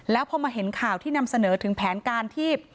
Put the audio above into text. แล้วพอมาเห็นข่าวที่นำเสนอถึงแผนการที่